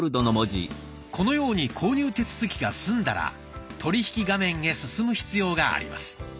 このように購入手続きが済んだら「取引画面へ」進む必要があります。